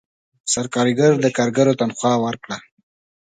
سرکارګر د کارګرو تنخواه ورکړه.